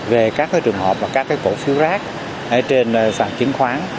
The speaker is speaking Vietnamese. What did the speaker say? về các trường hợp và các cổ phiếu rác trên sàn chứng khoán